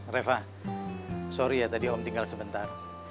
reva sorry ya tadi om tinggal sebentar